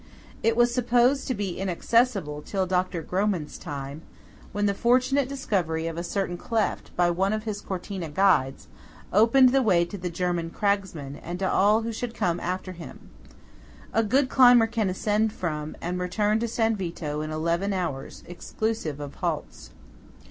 It was supposed to be inaccessible till Dr. Grohmann's time, when the fortunate discovery of a certain cleft by one of his Cortina guides, opened the way to the German cragsman and to all who should come after him. A good climber can ascend from, and return to San Vito in eleven hours, exclusive of halts.